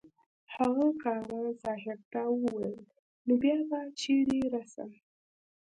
هغه کاروان صاحب ته وویل نو بیا به چېرې رسم